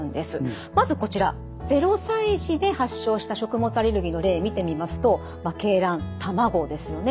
まずこちら０歳児で発症した食物アレルギーの例見てみますと鶏卵卵ですよね。